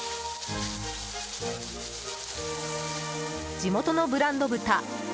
地元のブランド豚